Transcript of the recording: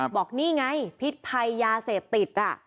บอกนี่ไงพิษภัยยาเสพติด